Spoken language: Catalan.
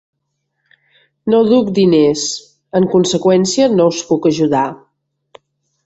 No duc diners; en conseqüència, no us puc ajudar.